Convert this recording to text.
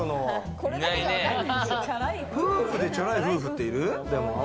夫婦でチャラい夫婦っている？